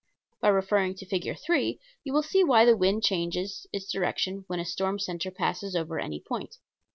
By referring to Fig. 3 you will see why the wind changes its direction when a storm center passes over any point.